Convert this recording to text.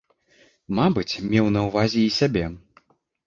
Мабыць, меў на ўвазе і сябе.